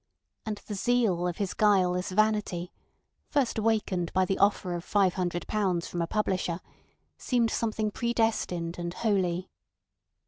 And the zeal of his guileless vanity (first awakened by the offer of five hundred pounds from a publisher) seemed something predestined and holy.